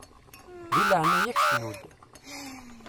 Di leɛnaya-k cnu-d!